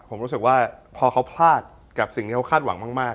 ผมรู้สึกว่าพอเขาพลาดกับสิ่งที่เขาคาดหวังมาก